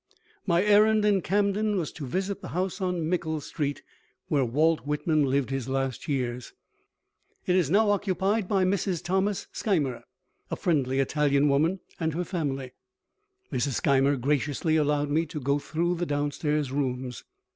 My errand in Camden was to visit the house on Mickle Street where Walt Whitman lived his last years. It is now occupied by Mrs. Thomas Skymer, a friendly Italian woman, and her family. Mrs. Skymer graciously allowed me to go through the downstairs rooms.